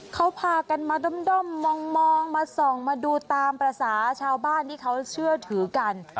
เขาพากันมาด้อมมองมาส่องมาดูตามภาษาชาวบ้านที่เขาเชื่อถือกัน